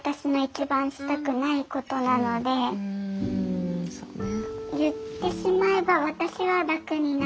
うんそうね。